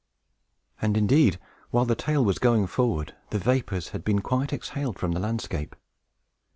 And, indeed, while the tale was going forward, the vapors had been quite exhaled from the landscape.